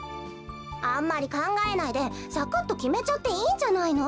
あんまりかんがえないでサクッときめちゃっていいんじゃないの？